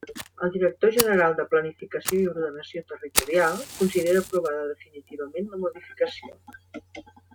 El director general de Planificació i Ordenació Territorial considera aprovada definitivament la modificació.